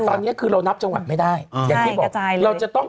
ตอนนี้คือเรานับจังหวัดไม่ได้อย่างที่บอกเราจะต้อง